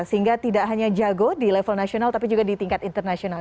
sehingga tidak hanya jago di level nasional tapi juga di tingkat internasional